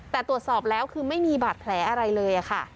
แต่ตรวจสอบแล้วคือไม่มีบาดแผลอะไรเลยค่ะ